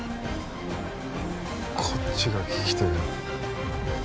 こっちが聞きてえよ